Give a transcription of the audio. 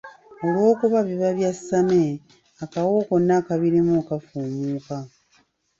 Olw'okuba biba byasame, akawoowo konna akabirimu kafumuuka.